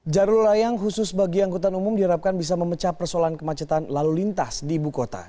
jalur layang khusus bagi angkutan umum diharapkan bisa memecah persoalan kemacetan lalu lintas di ibu kota